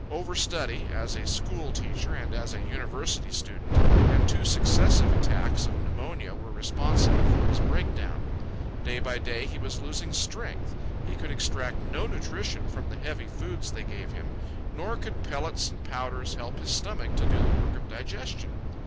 Overstudy (as a school teacher and as a university student) and two successive attacks of pneumonia were responsible for his breakdown. Day by day he was losing strength. He could extract no nutrition from the heavy foods they gave him; nor could pellets and powders help his stomach to do the work of digestion.